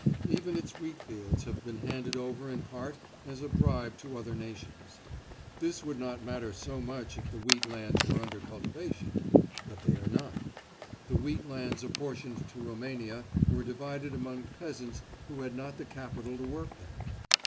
Even its wheatfields have been handed over in part as a bribe to other nations. This would not matter so much if the wheat lands were under cultivation. But they are not. The wheat lands apportioned to Roumania were divided among peasants who had not the capital to work them.